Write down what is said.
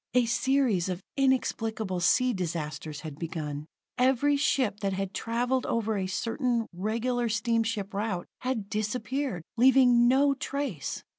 A series of inexplicable sea disasters had begun. Every ship that had traveled over a certain, regular steamship route, had disappeared, leaving no trace.